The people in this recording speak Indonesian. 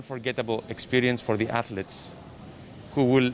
perkembangan yang sangat kecil